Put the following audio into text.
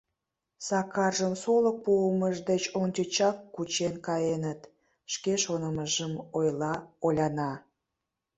Сакаржым солык пуымыж деч ончычак кучен каеныт, — шке шонымыжым ойла Оляна.